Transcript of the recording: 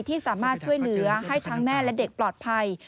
ที่สามารถช่วยเหลือให้ทั้งแม่และเด็กปลอดภัย